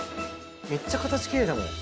めっちゃ形キレイだもん